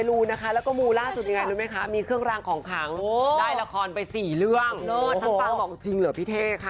ทุกคนค่ะนักร้องเสียงดี